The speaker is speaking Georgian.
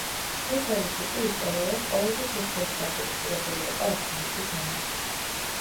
ეს ორი ტიპი ისტორიულად ყოველთვის ურთიერთდაპირისპირებული იყო ერთმანეთის მიმართ.